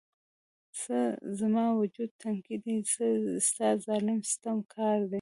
څه زما وجود تنکی دی، څه ستا ظلم ستم کار دی